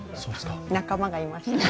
仲間がいました。